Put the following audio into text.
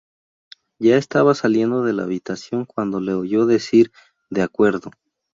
Ya estaba saliendo de la habitación cuando le oyó decir "De acuerdo".